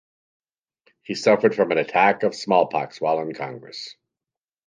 He suffered from an attack of smallpox while in Congress.